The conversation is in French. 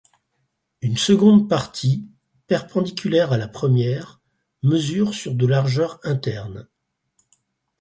Une seconde partie, perpendiculaire à la première, mesure sur de largeur interne.